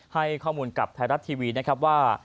ให้ข้อมูลกับไทยรัฐทีวีนะครับว่า